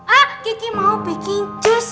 ah kiki mau bikin jus